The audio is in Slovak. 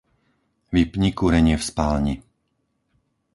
Vypni kúrenie v spálni.